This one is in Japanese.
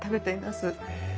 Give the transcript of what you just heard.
へえ。